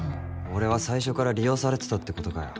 俺は最初から利用されてたってことかよ